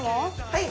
はい。